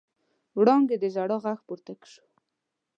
وړانګې د ژړا غږ پورته شو.